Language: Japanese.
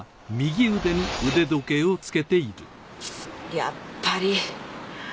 やっぱり！